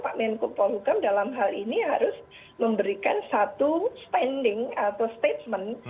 pak menko polhukam dalam hal ini harus memberikan satu standing atau statement